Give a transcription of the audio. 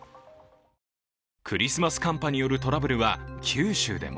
クリスマス寒波によるトラブルは九州でも。